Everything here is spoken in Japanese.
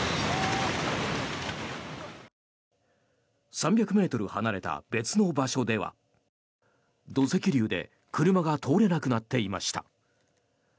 ３００ｍ離れた別の場所では土石流で車が通れなくなっていました。